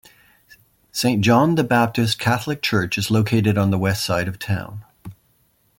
Saint John the Baptist Catholic Church is located on the west side of town.